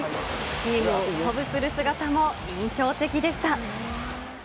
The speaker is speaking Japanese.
チームを鼓舞する姿も印象的でした。